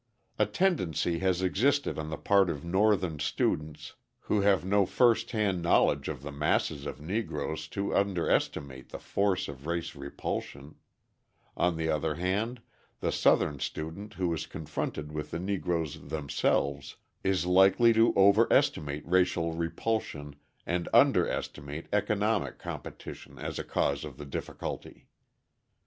A tendency has existed on the part of Northern students who have no first hand knowledge of the masses of Negroes to underestimate the force of race repulsion; on the other hand, the Southern student who is confronted with the Negroes themselves is likely to overestimate racial repulsion and underestimate economic competition as a cause of the difficulty.